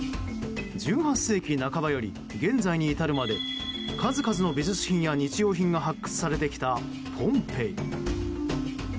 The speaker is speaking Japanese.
１８世紀半ばより現在に至るまで数々の美術品や日用品が発掘されてきたポンペイ。